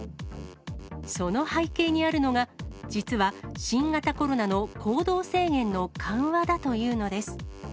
その背景にあるのが、実は新型コロナの行動制限の緩和だというのです。